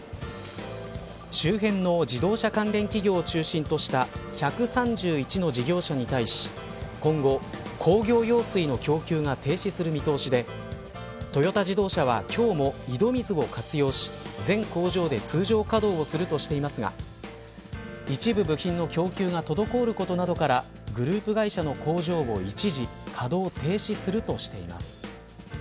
周辺の自動車関連企業を中心とした１３１の事業者に対し今後、工業用水の供給が停止する見通しでトヨタ自動車は今日も井戸水を活用し全工場で通常稼働をするとしていますが一部部品の供給が滞ることなどからグループ会社の工場を一時稼働停止するとしています。